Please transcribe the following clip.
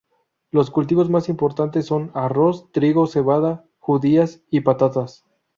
Los cultivos más importantes son arroz, trigo, cebada, judías y patatas.